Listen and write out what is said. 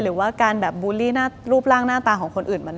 หรือว่าการแบบบูลลี่รูปร่างหน้าตาของคนอื่น